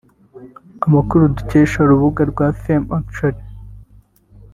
Amakuru dukesha urubuga rwa femme actuelle